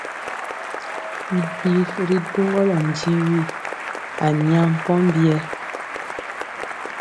Mpi ri duŋgɔlɔ njiwi a nya pombiyɛ.